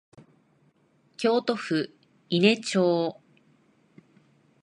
京都府伊根町